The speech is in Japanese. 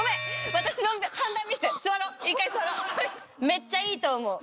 めっちゃいいと思う。